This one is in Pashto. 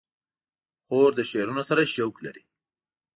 خور د شعرونو سره شوق لري.